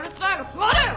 座れよ！